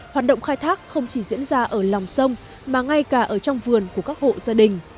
hoạt động khai thác không chỉ diễn ra ở lòng sông mà ngay cả ở trong vườn của các hộ gia đình